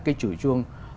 cái chủ trương